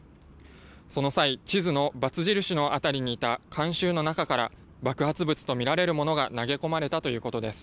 その際、地図のバツ印の辺りにいた観衆の中から爆発物と見られるものが投げ込まれたということです。